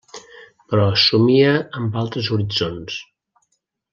Però somia amb altres horitzons.